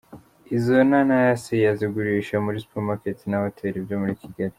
Izo nanasi azigurisha muri Supermarket na Hoteli byo muri Kigali.